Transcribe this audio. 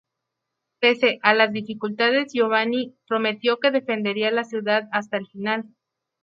Pese a las dificultades Giovanni prometió que defendería la ciudad hasta el final.